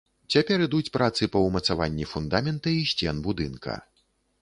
Цяпер ідуць працы па ўмацаванні фундамента і сцен будынка.